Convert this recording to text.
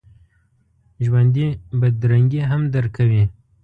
ژوندي بدرنګي هم درک کوي